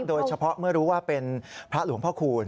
โดยเฉพาะเมื่อรู้ว่าเป็นพระหลวงพ่อคูณ